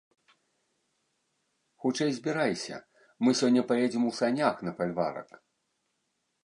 Хутчэй збірайся, мы сёння паедзем у санях на фальварак.